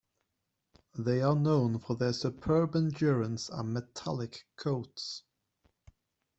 They are known for their superb endurance and "metallic" coats.